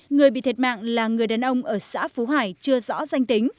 người bị thiệt mạng là người đàn ông ở xã phú hải chưa rõ danh tính